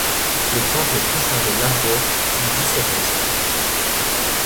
Le Temple conservait l'argot du dix-septième siècle.